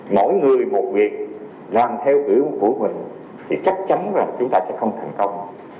mỗi người một việc làm theo kiểu của mình thì chắc chắn là chúng ta sẽ không thành công